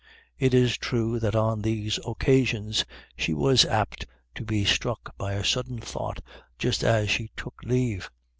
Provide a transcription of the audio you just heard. It is true that on these occasions she was apt to be Ik . A WINDFALL. 19 struck by a sudden thought just as she took leave.